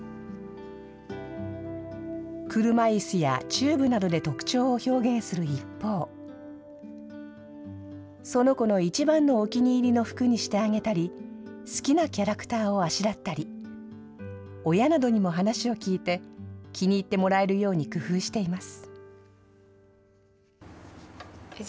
車いすやチューブなどで特徴を表現する一方、その子の一番のお気に入りの服にしてあげたり、好きなキャラクターをあしらったり、親などにも話を聞いて、気に入ってもらえるように工夫しています。